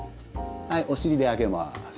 はいお尻で上げます。